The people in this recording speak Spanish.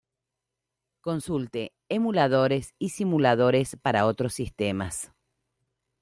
Consulte Emuladores y Simuladores para otros sistemas.